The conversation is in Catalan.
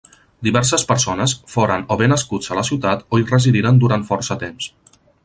Diverses persones foren o bé nascuts a la ciutat o hi residiren durant força temps.